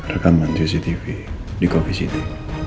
rekaman cctv di covisiti